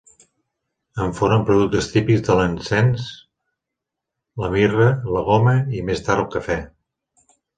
En foren productes típics l'encens, la mirra, la goma i, més tard, el cafè.